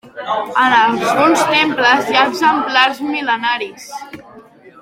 En alguns temples hi ha exemplars mil·lenaris.